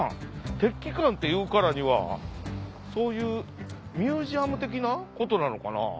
鉄器館っていうからにはそういうミュージアム的なことなのかな？